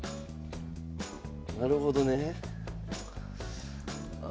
なるほどね。